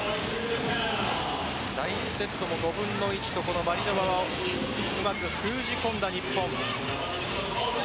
第１セットも５分の１とマリノバをうまく封じ込んだ日本。